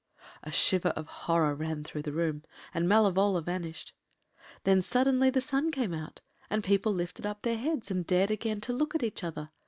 ” A shiver of horror ran through the room, and Malevola vanished. Then, suddenly, the sun came out, and people lifted up their heads, and dared again to look at each other.